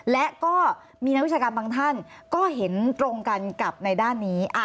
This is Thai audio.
และก็มีนักวิชาการบางท่านก็เห็นตรงกันกับในด้านนี้